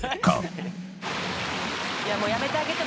いやもうやめてあげて。